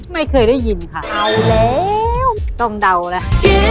ไม่เคยได้ยินค่ะเอาแล้วต้องเดาแล้ว